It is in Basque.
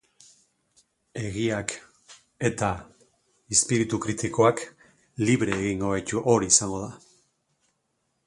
Astero herri txiki batera iritsi eta banatu egiten dira.